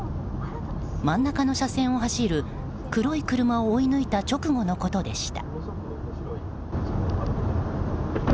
真ん中の車線を走る黒い車を追い抜いた直後のことでした。